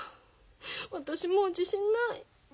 私もう自信ない。